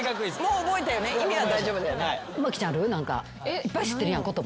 いっぱい知ってるやん言葉な。